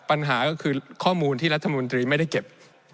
ปัญหาก็คือข้อมูลที่รัฐมนตรีไม่ได้เก็บ